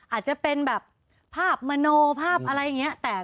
อาจจะเป็นแบบภาพมโนภาพอะไรอย่างนี้